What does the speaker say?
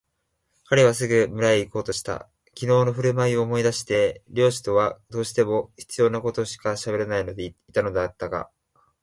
彼はすぐ村へいこうとした。きのうのふるまいを思い出して亭主とはどうしても必要なことしかしゃべらないでいたのだったが、